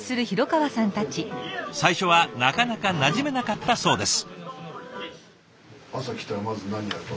最初はなかなかなじめなかったそうです。